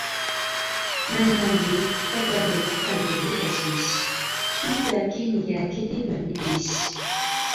مەنمەنلىك، تەكەببۇرلۇق كەلتۈردى تەشۋىش، شۇ سەۋەب كەينىگە كېتىۋەردى ئىش.